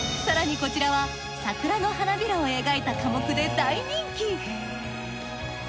更にこちらは桜の花びらを描いた課目で大人気。